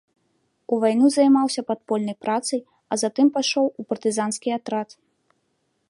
У вайну займаўся падпольнай працай, а затым пайшоў у партызанскі атрад.